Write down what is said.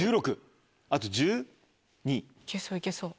いけそういけそう。